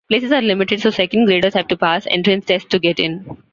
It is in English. Places are limited, so second graders have to pass entrance tests to get in.